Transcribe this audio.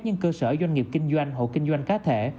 những cơ sở doanh nghiệp kinh doanh hộ kinh doanh cá thể